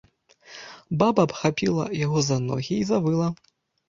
Баба абхапіла яго за ногі і завыла.